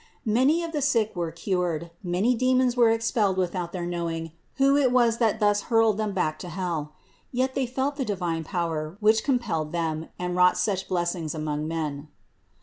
Many of the sick were cured, many de mons were expelled without their knowing who it was that thus hurled them back to hell. Yet they felt the divine power, which compelled them and wrought such blessings among men.